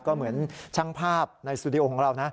ก็เหมือนช่างภาพในสตูดิโอของเรานะ